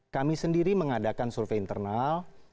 kami sendiri mengadakan survei internal